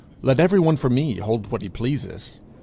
Let everyone for me hold what he pleases.